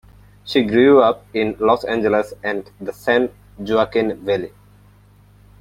She grew up in Los Angeles and the San Joaquin Valley.